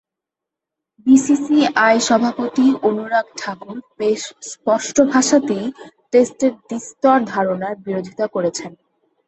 BCCI সভাপতি অনুরাগ ঠাকুর বেশ স্পষ্ট ভাষাতেই টেস্টের দ্বিস্তর ধারণার বিরোধিতা করেছেন।